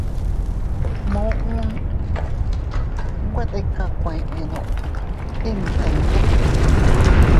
Muʼun nwe tika kuenno iydiya.